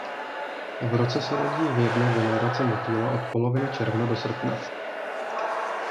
V roce se rodí v jedna generace motýla od poloviny června do srpna.